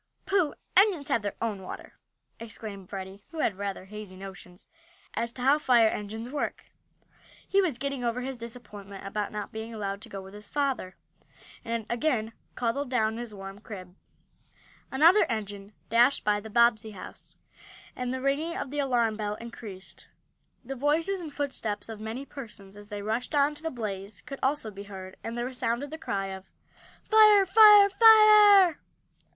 "Pooh! engines have their own water!" exclaimed Freddie, who had rather hazy notions as to how fire engines work. He was getting over his disappointment about not being allowed to go with his father, and had again cuddled down in his warm crib. Another engine dashed by the Bobbsey house, and the ringing of the alarm bell increased. The voices and footsteps of many persons, as they rushed on to the blaze, could also be heard, and there resounded the cry of: "Fire! Fire! Fire!"